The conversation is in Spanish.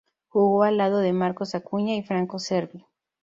Jugó al lado de Marcos Acuña y Franco Cervi.